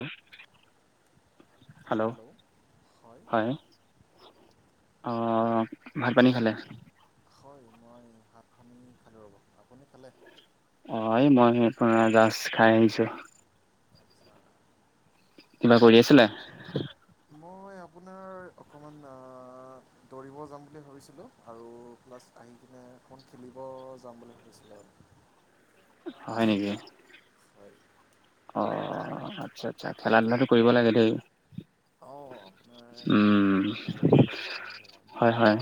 [unintelligible] Hello হয় অহ ভাত -পানী খালে? হয় মই ভাত-পানী খালোঁ ৰ'ব, আপুনি খালে? অ এই মই সেয়া পৰা জাজ খাই আহিছোঁ। আচ্ছা কিবা কৰি আছিলা? মই আপোনাৰ অকণমান দৌৰিব যাম বুলি ভাবিছিলোঁ আৰু প্লাছ আহি কিনে অকমান খেলিব যাম বুলি ভাবিছিলোঁ। হয় নেকি? হয় অ আত্চ্ছা আত্চ্ছা খেলা ধূলাতো কৰিব লাগে দেই। অঁ আপোনাৰ খেলা উম ধূলা কৰিব লাগে কৰিব লাগে মানে হয় হয়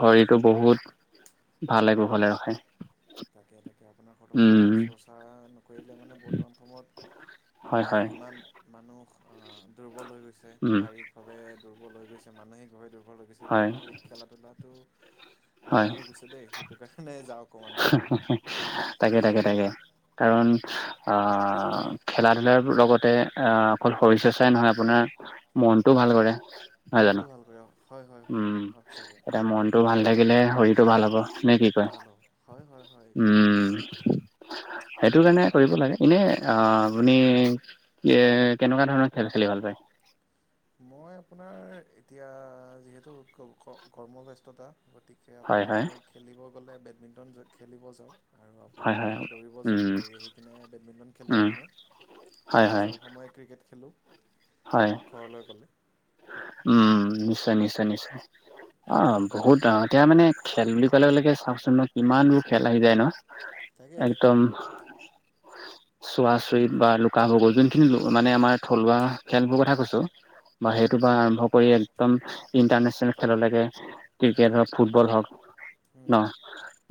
ভৰিটো বহুত ভালে কুশলে ৰাখে। তাকে তাকে এতিয়া আপোনাৰ উম শৰীৰ চৰ্চা নকৰিলে মানে বৰ্তমান সময়ত হয় মানে হয় ইমান মানুহ অ দূ- ৰ্বল হৈ গৈছে উম শাৰীৰিকভাৱে দূ- ৰ্বল হৈ গৈছে মানসিক ভাবে দূ- ৰ্বল হৈ গৈছে, হয় গতিকে খেলা- ধূলাটো হয় লগা হৈ গৈছে দেই সেইটো কাৰণে যাওঁক অকমান ওলাই গ'ল তাকে তাকে তাকে কাৰণ আহ খেলা ধূলাৰ লগতে আহ অকল শৰীৰ চৰ্চাই নহয় আপোনাৰ মনটোও ভাল কৰে। নহয় জানো, মনটো ভাল কৰে হয় হয় হয় উম হয় সঁচাকৈ এটা মনটো ভাল থাকিলে শৰী- সেইটো ভাল হ'ব নে কি কয় ভাল হ'ব হয় হয় হয় একদম উম সেইটো কাৰণে কৰিব লাগে এনে অ আপুনি কেনেকুৱা ধৰণৰ খেল খেলি ভাল পায়? মই আপোনাৰ এতিয়া যিহেতু কৰ্মব্যস্ততা গতিকে হয়, হয়, আপোনাৰ খেলিব গলে বেডমিণ্টন খেলিব যাওঁ। আৰু হয়, আপোনাৰ হয়। প্ৰথমে দৌৰিব যাওঁ উম, দৌৰি আহি কিনে বেডমিণ্টন খেলোঁ উম, আপোনাৰ হয়, হয়, মাজে সময়ে ক্ৰিকেট খেলোঁ। হয় ঘৰলৈ গ'লে। উম নিশ্চয়- নিশ্চয় -নিশ্চয় অ বহুত আহে এতিয়া মানে খেল বুলি কলেকে চাওকচোন ম কিমানবোৰ খেল আহি যায় ন। থাকে- থাকে। চুৱ চৰিত বা লুকা ভাগু যোনখিনি মানে আমাৰ থলুৱা খেলবোৰ কথা কৈছো। বা হুম হুম সেইটো বা আৰম্ভ কৰি একদম ইন্টাৰনেচ নেল খেললৈকে ক্ৰিকেট হয় হওক ফুটবল হওক হুম ন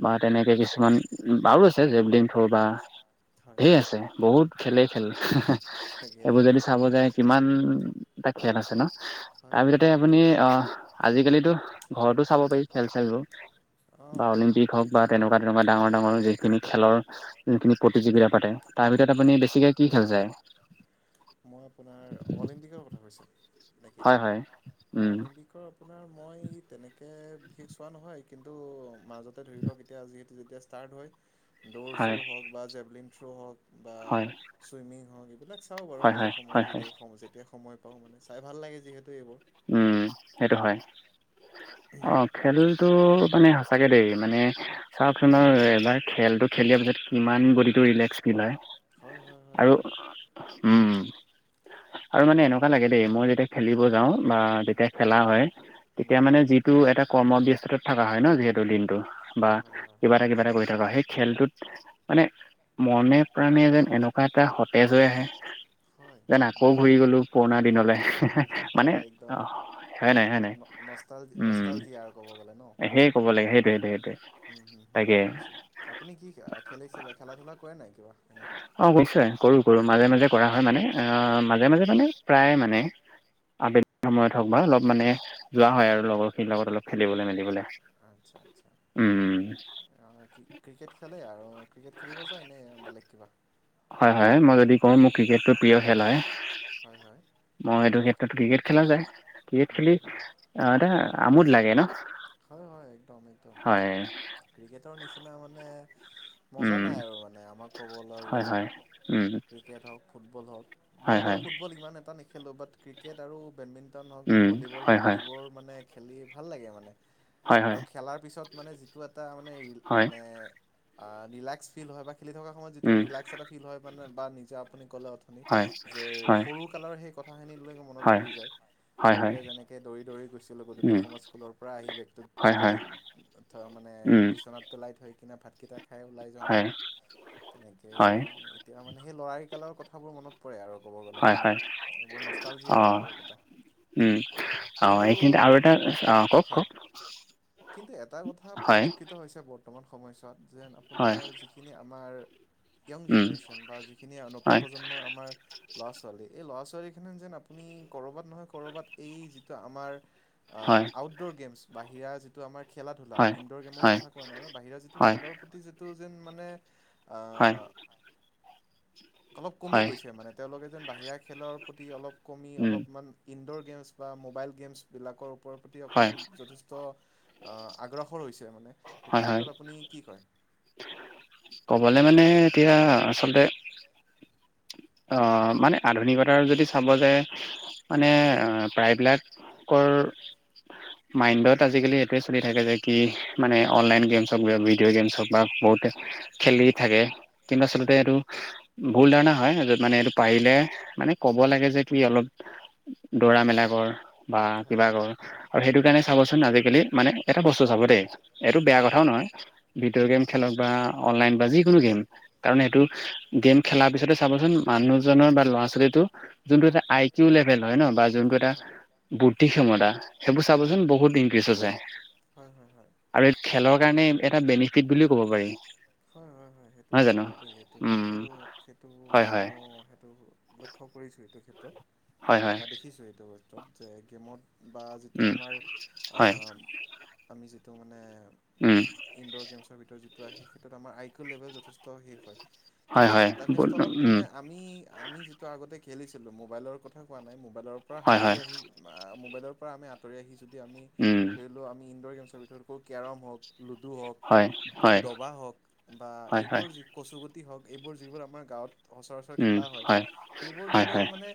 বা হয় তেনেকে কিছুমান বাৰু আছে জেবলিং থ্ৰ' বা হয় ঢেৰ আছে বহুত খেলেই খেল তাকে সেইবোৰ তাকে যদি চাব যায় কিমান ত আছে ন। হয় হয় তাৰপিছতে হয় আপুনি অ আজিকালিতো ঘৰতো চাব পাৰি খেল চেলবোৰ। বা অঁ অলিম্পিক হওঁক বা তেনেকোৱা- তেনেকোৱা ধৰণৰ ডাঙৰ- ডাঙৰ যিখিনি খেলৰ যিখিনি প্ৰতিযোগিতা পাতে তাৰ ভিতৰত আপুনি বেছিকে কি খেল চায় মই আপোনাৰ অলিম্পিকৰ কথা কৈছো। হয়- হয় উম। আপোনাৰ মই তেনেকৈ বিশেষ চোৱা নহয় কিন্তু মাজতে ধৰি লওক এতিয়া যিহেতু যেতিয়া ষ্টাৰ্ট হয়। দৌৰ হয় চৌৰ হওক বা জেভলিন। থ্ৰু হক। বা হয় চুইমিং হওঁক এইবিলাক চাও বাৰু। হয় হয় মাজে হয় সময়ত হয় যদি সম যেতিয়া সময় পা মে চাই ভাল লাগে যিহেতু এইবোৰ উম সেইটো হয়। অ খেল টো মানে সঁচাকে দেই মানে চাওকচোন আৰু এবাৰ খেলটো খেলি পিছত কিমান বডিটো ৰিলেক্স ফিল হয়। হয় হয় হয় আৰু বহুত উম আৰু মানে এনেকোৱা লাগে দেই মই যেতিয়া খেলিব যাওঁ। বা যেতিয়া খেলা হয় উম, তেতিয়া মানে যিটো এটা। কৰ্মব্যস্ততাত থকা হয় ন যিহেতু দিনটো বা হয় হয় হয় কিবা এটা কিবা এটা কৰি থকা সেই খেলটোত মানে মনে প্ৰাণে যেন এনেকোৱা এটা সতেজ হৈ আহে। হয় যেন আকৌ উম, ঘূৰি গলো পুৰণা দিনলে হে হে মানে এক অ হয় নাই হয় নাই নষ্ট উম নষ্টাল জীয়া আৰু কব গলে ন সেই ক'ব লাগে সেইটোৱে সেইটোৱে সেইটোৱে তাকে আপুনি কি খেলি চ খেলা ধূলা কৰে নাই কিবা। এনে অ নিশ্চয় কৰো- কৰো মাজে -মাজে কৰা হয় মানে আহ মাজে -মাজে মানে প্ৰায় মানে আবেলি সময়ত হওক বা অলপ মানে যোৱা হয় আৰু লগৰখিনিৰ লগত অলপ খেলিবলৈ মেলিবলৈ। আচ্ছা আচ্ছা উম ক্ৰিকেট খেলে আৰু। ক্ৰিকেট খেলিব যায় নে বেলেগ কিবা হয় হয়, মই যদি কওঁ মোৰ ক্ৰিকেটটো প্ৰিয় খেল হয়, হয় হয় মই এইটো ক্ষেত্ৰত ক্ৰিকেট খেলা যায় ক্ৰিকেট উম, খেলি আমোদ লাগে ন হয় [unintelligible] মজা উম নাই আৰু মানে আমাক ক'বলৈ হয় গ'লে হয় উম ক্ৰিকেট হওঁক ফুটবল হওঁক। মই হয় বাৰু হয় ফুটবল ইমান এটা নে খেলোঁ। বাট ক্ৰিকেট আৰু বেডমিণ্টন বেডমিন্টন হওঁক উম ভলীবল হয় হওঁক হয় এইবোৰ মানে, খেলি ভাল লাগে মানে। হয় হয় আৰু খেলাৰ পিছত মানে যিটো এটা মানেৰিল হয় মানে, ৰিলাক্স ফিল বাৰ্ড হয়, খেলি থকাৰ সময়ত যিটো উম ৰিলেক্স এটা ফিল হয় ইমান বা নিজে আপুনি, কলে অথনি হয় যে, হয় সৰু কালৰ সেই কথা খিনি লৈ মনত হয় পৰি যায়, হয় হয় সৰুতে যেনেকে দৌৰি দৌৰি গৈছিল গধূলি, উম স্কুল আহি বেগটো হয় থলি, হয় থৈ মানে উম বিচনাত পেলাই থৈ কিনা ভাতকেইটা, খাই ওলাই যাওঁ ন। হয় তেনেকে হয় এতিয়া মানে, সেই লৰাকেইটাৰ লগত কথাবোৰ মনত, পৰে আৰু ক'ব গলে হয় ন। এইবোৰ নষ্টালযি আৰু অঁ এক কথা। উম অঁ কিন্তু, এইখিনিতে আৰু এটা অঁ কওক হয়। কওক কিন্তু এটা কথা হয় পৰিলক্ষিত হৈছে বত বৰ্তমান সমস্যা বাদ যেন হয় আপোনাৰ যিখিনি আমাৰ, ইয়ং উম জেনেৰেশচন বা যিখিনি নতুন হয় প্ৰজন্মৰ আমাৰ ল'ৰা ছোৱালী, এই ল'ৰা ছোৱালী থৈ কিনে যেন আপুনি ক'ৰবাত নহয় ক'ৰবাত এই যিটো আমাৰ, আ, হ হয় আউড'ৰ গেমছ বাহিৰা যিটো আমাৰ, খেলা ধূলা হয় ইনডোৰ গেমৰ হয় কথা কোৱা নাই, মই বাহিৰৰ যিটো হয় খেলৰ প্ৰতি যিটো, যেন মানে, হয়। অলপ কমি হয় গৈছে মানে, তেওঁলোকে যেন বাহিৰা খেলৰ প্ৰতি অলপ কমি উম অলপমান ইনডোৰ, গেমছ বা মোবাইল গেমছ বিলাকৰ ওপৰত প্ৰতি হয় অকণমান যথেষ্ট আহ আগ্ৰসৰ হৈছে মানে। হয় সেইটো হয় ক্ষেত্ৰত আপুনি কি কয়? ক'বলে মানে এতিয়া আচলতে অ মানে আধুনিকতাৰ যদি চাব যে মানে অ প্ৰায়বিলাকৰ মাইণ্ডত আজিকালি এইটোৱে চলি থাকে যে কি মানে অনলাইন গেমছ হওক বা ভিডিঅ' গেমছ হওক বা বহুতে খেলি থাকে কিন্তু উম আচলতে এইটো ভুল ধাৰণা হয় [unintelligible] মানে এইটো পাৰিলে মানে ক'ব লাগে যে কি অলপ দৌৰা মেলা কৰ বা হয় কিবা কৰ আৰু সেইটো কাৰণে চাবচোন আজিকালি মানে এটা বস্তু চাব দেই এইটো বেয়া উম কথাও নহয় ভিডিঅ' গেম খেলক বা অনলাইন বা যিকোনো গেম কাৰণ সেইটো উম গেম খেলাৰ পিছতে চাবচোন মানুহজনৰ বা ল'ৰা ছোৱালীটো যোনটো এটা আই কিউ লেভেল হয় ন বা যোনটো এটা হয় বুদ্ধি ক্ষমতা সেইবোৰ উম চাবচোন বহুত ইনক্ৰিজ হৈছে হয় হয় হয় আৰু খেলৰ কাৰণে এটা বেনিফিট বুলিও ক'ব পাৰি। হয় হয় সেইটো নহয় হয় জানো বাৰু দেই যিহেতু উম সেইটো - সেইটো হয় হয় ময়ো টো লক্ষ্য কৰিছোঁ এইটো ক্ষেত্ৰত। হয় হয় বা দেখিছোঁ এইটো [unintelligible] যে গেমত বা যিটো উম আমাৰ আ হয় আমি যি টো মানে উম ইনডোৰ গেমছৰ ভিতৰত যিটো আহে সেইটোত আমাৰ আই কিউ লেবেল যথেচ ত শেষ হয়। হয় কিন্তু হয় তেনেস্থলত উম মানে আমি - আমি যিটো আগতে খেলিছিলোঁ মোবাইলৰ কথা কোৱা নাই ম বাইলৰ পৰা হয় সাঙুৰি হয় আহি আ মোবাইলৰ পৰা আমি আতৰি আহি যদ দি আমি উম ধৰি লও আমি ইনডোৰ গেমছ ছৰ ভিতৰতকো কেৰম হওক লুডু হওক, হয় হয় দবা হওক বা হয় হয় এইবোৰ যি কচুগুট টি হওক এইবোৰ যিবোৰ আমাৰ গাঁৱত সচৰাচৰ খেলা হয়, সেইবোৰ হয়, গেলেও হয়, মানে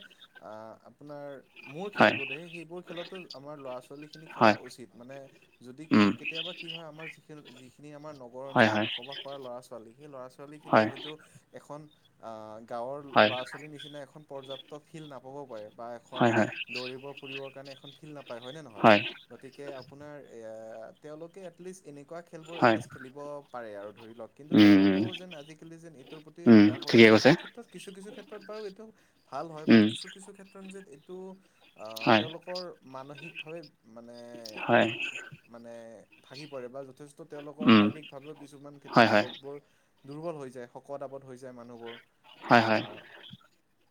আ আপোনাৰ মোৰ [unintelligible] হয়, বোধে সেইবোৰ খেলতো আমাৰ ল'ৰা ছোৱালী খিনি খেলা হয়, উচিত মানে যদি কে উম, - কেতিয়াবা কি হয় আমাৰ যি খেলোতে যি এই আমাৰ নগৰ হয়, অঞ্চলত হয়, বসবাস কৰা ল'ৰা ছ ছোৱালী, সেই ল'ৰা ছোৱালী খিনিৰ হয়, হয়তো এখ খন আ গাঁৱৰ হয়, ল'ৰা ছোৱালীৰ নিচিনা এখন পৰ্যাপ্ত ফিল্ড নাপ বা এখন হয়, হয়, দৌৰিব ফুৰিবৰ কাৰণে এখন ফিল্ড নাপায় হয় নে নহয়? গতিকে আপোনাৰ এ আ তেওঁলোকে এটলিষ্ট এনেকুৱা খেলবোৰ হয়, এটলিষ্ট খেলিব পাৰে আৰু ধৰি ল কিন্তু উম, তেওঁলোকও উম, যেন আজিকালি যেন এইটোৰ প্ৰতি উম, আগ্ৰাসৰ ঠিকে হৈছে। এইটো কৈছে, ক্ষেত্ৰত কিছু কিছু ক্ষেত্ৰত বাৰু এইটো ভাল হ'য, বাট উম, কিছু কিছু ক্ষেত্ৰত যেন এই টো - আঁ হয়, তেওঁলোকৰ মানসিকভাৱে মানে, হয়, মানে ভাগি পৰে বা য'ত যথেষ্ট তেওঁলোকৰ উম, শাৰীৰিকভাৱেও কিছুমান ক্ষেত্ হয়, তাত হয়, লগবোৰ দুৰ্বল হৈ যায়, শকত- আৱত হৈ যায় মানুহবোৰ। হ'য়, হ'য়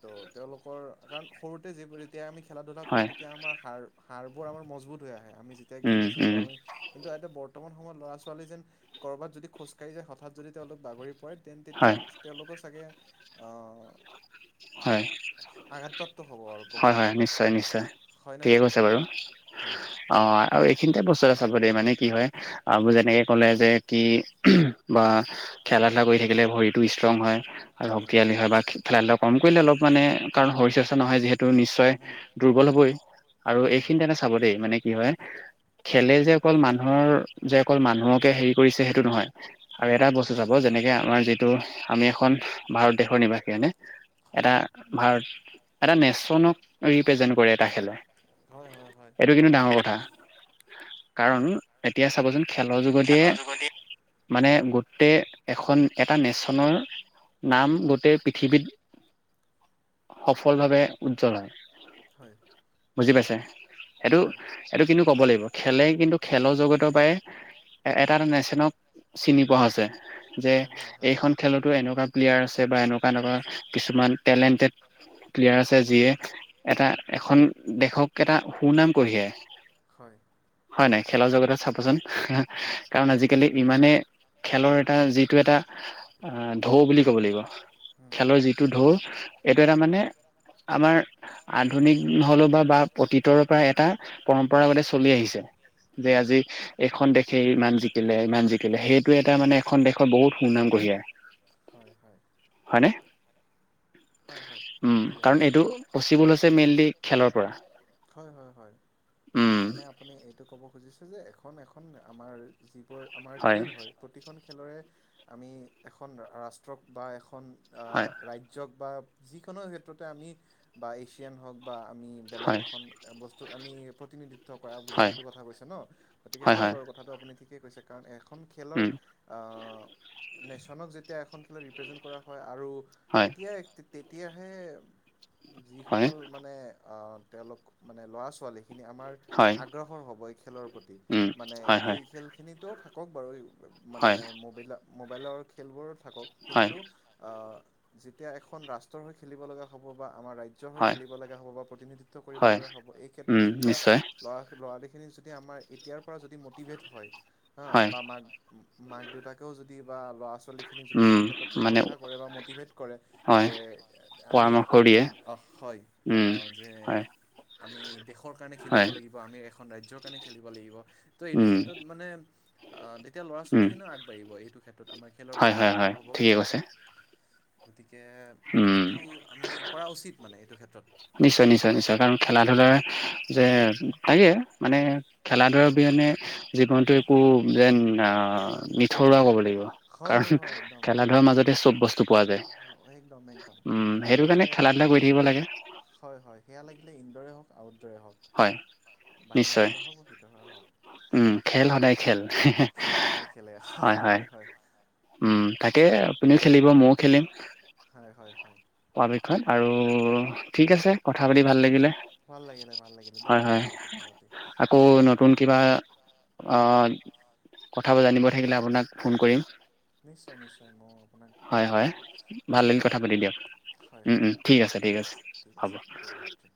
ত্ তেওঁলোকৰ কাৰণ সৰুতে যিবোৰ এতিয়া আমি খেলা- ধূলা হয়, কৰোঁ তেতিয়া আমাৰ শাৰ হাড়বোৰ আমাৰ মজবুত হৈ আহে। আমি যেতিয়া উম, খেলিছিলো উম, আমি কিন্তু, ইয়াতে বৰ বৰ্তমান সময়ত ল'ৰা -ছোৱালী যেন' কৰবাত যদি খোজ সেই যে হঠাৎ যদি তেওঁলোক বাগৰি পাৰে তে তেতিয়া হয়, তেওঁলোকৰ চাগে আহ হ'য়, আঘাতপ্ৰাপ্ত হ'ব আৰু ক'ব হ'য় হ'য়, গ'লে নিশ্চয় নিশ্চয় হয়নে ঠিক নহয় কৈছে বাৰু উম, অঁ আৰু এইখিনিতে বস্তু এটা চাব দে মানে কি হ'য় আপো- যেনেকে কলে যে কি উম বা খেলা- ধূলা কৰি থাকিলে ভৰিত টো ষ্ট্ৰং হ'য় আৰু শক্তিশালী হ'য় বা খি খেলা- ধূলাও কম কৰিলে অলপ মানে কাৰণ শৰীৰ চৰ্চা নহয় যিহেতু- টো নিশ্চয় উম, দুৰ্বল হ'বই আৰু হয় হয় এইখিনি এটা চাব দেই মানে কি হ'য়, খেলে যে অকল মানুহৰ যে অকল মানুহকে হেৰি কৰিছে সেইটো নহয়। আৰু হয় এটা বস্তু চাব যেনেকে আ আমাৰ যিটো, আমি এখন ভাৰত দেশৰ নিবাসী হ'য়নে? হয় এটা ভাৰত এটা নেশ্বনক ৰিপ প্ৰেজেণ্ট কৰে এটা খেলে। হয় হয় হয়। এইটো কিন্তু ডাঙৰ কথা। কাৰণ এতিয়া চাব যেন খেলৰ যোগদিয়ে মানে গোটেই এখন, এটা নেশ্বনৰ নাম গোটেই পৃথিৱীত সফ্ ফলভাৱে উজ্জ্বল হ'য়। হয় বুজি পাইছে? সেইটো, হয় এইটো কিন্তু ক'ব লাগিব। খেলে, কিন্তু খেলৰ জগতৰ পৰাই এটা-এটা নেশ্যনক চিনি পোৱা হৈছে। যে হয় হয় হয়। এইখন খেলতো এনেকোৱা প্লেয়াৰ আছে বা এনেকোৱা-এনেকোৱা আছে কিছুমান টেলেণ্টেড প্লেয়াৰ আছে, যিয়ে এটা এখন দেশক এটা সুনাম কঢ়িয়াই, হয়। হয় নাই খেলৰ জগতত চাবচোন উম কাৰণ আজিকালি ইমানে খেলৰ এ যিটো এটা এ ঢৌ বুলি ক'ব লাগিব, উম খেলৰ যিটো ধোৰ এইটো এটা মানে আমাৰ আধুনিক নহলেও বা-বা অতীতৰৰ পৰা এটা পৰম্পৰাগতে চলি আহিছে, যে হয় আজি এইখন দেশে ইমান জিকিলে, ইমান জিকিলে, সেইটো এটা মানে এখন দেশৰ বহুত সুনাম হয় হয় কঢ়িয়াই হয়নে? হয় হয় উম ঠিকে কাৰণ কৈছা এইটো পচিবল হৈছে মেইনলি খেলৰ পৰা হয়-হয় উম মানে আপুনি এইটো ক'ব খুজিছে যে এখন-এখন আমাৰ যি আমাৰ খেল হয় প্ৰতিখন খেলৰে আমি এখন ৰাষ্ট্ৰক বা এখন হয় এখন ৰাজ্যক বা যিকোনো ক্ষেত্ৰতে আমি বা এছিয়ান হওক বা আমি বেলেগ হয় এখন বস্তুক আমি প্ৰতিনিধিত্ব কৰা বুজাই, হয় সেইটো কথা কৈছে ন, গতিকে হয় বাৰু কথাটো আপুনি ঠিকেই কৈছে কাৰণ এক এখন খেলৰ উম আহ নেশচনক যেতিয়া এখন ৰি্পেজন্ কৰা হয় আৰু হয় তেতিয়াহে হয় যিসকল মানে আহ! তেওঁলোক মানে ল'ৰা-ছোৱালী খিনি আমাৰ হয় আগ্ৰহৰ হ'ব খেলৰ প্ৰতি, উম মানে হয় হয় এই খেলখিনিতো থাক কওক বাৰু এই মানে হয় মোবাইলত মোবাইলৰ খেলবোৰ থাকক হয় কিন্তু আহ যেতিয়া এখন ৰাষ্ট্ৰৰ হৈ খেলিব লগা হ'ব বা আমাৰ ৰাজ্য হৈ হয় খেলিব লগা হ'ব বা প্ৰতিনিধিত্ব কৰিব হয় লগা হ'ব এই ক্ষেত্ৰত উম যেতিয়া নিশ্চয় ল'ৰা-ল'ৰা সেইখিনি যদি আমাৰ এতিয়াৰ পৰা যদি মটিভেট হয় হা হয় বা মাক! মাক-দেউতাকেও যদি বা ল'ৰা-ছোৱালীখিনিক যদি উম এইটো ক্ষেত্ৰত মানে প্ৰশংসা কৰে বা মটিভেট কৰে কৰে হয় যে আমি, পৰামৰ্শ দিয়ে হয় উম যে হয় আমি দেশৰ কাৰণে খেলিব হয় লাগিব, আমি এখন ৰাজ্যৰ কাৰণে খেলিব লাগিব, ত' এইটো উম ক্ষেত্ৰত মানে অ'! দি এতিয়া, ল'ৰা উম ছোৱালীখিনিও আগবাঢ়িব এইটো ক্ষেত্ৰত, আমাৰ খেলৰ হয় প্ৰতি হয় আগ্ৰাহৰ হয় হ'ব। ঠিকে কৈছে গতি গতিকে, উম এইটো আমি কৰা উচিত মানে এইটো ক্ষেত্ৰত। নিশ্চয়, নিশ্চয়, নিশ্চয়। কাৰণ, খেলা ধূলাৰ যে তাকে, মানে, খেলা ধূলাৰ অবিহনে জীৱনটো একো যেন আঁ নিথৰুৱা ক'ব লাগিব। হয় হয় কাৰণ, হয় একদম খেলা এক- ধূলাৰ মাজতে চব বস্তু পোৱা যায়। একদম একদম উম! সেয়া সেইটো কাৰণে, লাগিলে খেলা ধূলা কৰি থাকিব ইনড'ৰ লাগে। হয়, হয়। সেয়া, লাগিলে ইনডোৰে হওক আউট হয়। নিশ্চয়! হওক বা ভিতৰুৱা হওক উম, খেল সদায় খেল। খেল সদায় খেলে। হয়! হয়! উম তাকে, আপুনিও খেলিব মইয়ো খেলিম। হয়, হয়, হয়। পৰাপক্ষত আৰু তাকে ঠিক আছে, কথা পাতি ভাল হয় লাগিলে। ভাল লাগিলে ভাল লাগিলে দেই হয়, আপোনাৰ হয়। লগত কথা পাতি আকৌ, নতুন কিবা অ! কথাবোৰ জানিব থাকিলে আপোনাক ফোন কৰিম। নিশ্চয় নিশ্চয় মই আপোনাক হয়, হয়! এনেকৈ ভাল লাগিল কথা পাতি দিয়ক। হয় উম! হয় উম! হয় ঠিক আছে, ঠিক আছে ঠিক হ'ব। শুভৰাত্ৰি